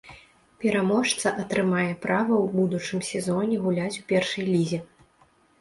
Пераможца атрымае права ў будучым сезоне гуляць у першай лізе.